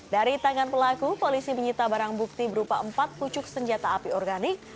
dari tangan pelaku polisi menyita barang bukti berupa empat pucuk senjata api organik